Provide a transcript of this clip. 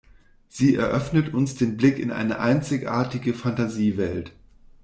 Sie eröffnet uns den Blick in eine einzigartige Fantasiewelt.